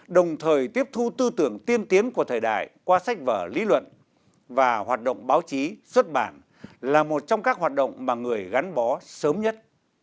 đồng thời tiếp thu tư tưởng tiên tiến của thời đại qua sách vở lý luận và hoạt động báo chí xuất bản là một trong các hoạt động mà người gắn bó sớm nhất